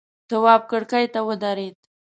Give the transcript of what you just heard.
تواب کرکۍ ته ودرېد.